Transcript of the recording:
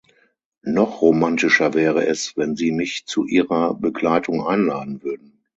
Noch romantischer wäre es, wenn Sie mich zu ihrer Begleitung einladen würden.